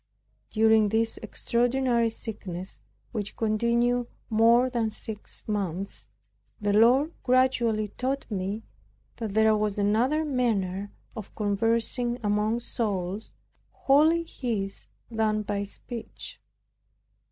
During this extraordinary sickness, which continued more than six months, the Lord gradually taught me that there was another manner of conversing among souls wholly His, than by speech.